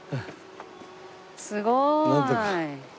すごーい。